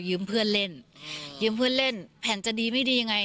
ยืมเพื่อนเล่นแผ่นจะดีไม่ดียังไง